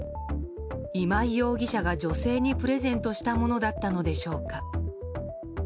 今井容疑者が女性にプレゼントしたものだったのでしょうか。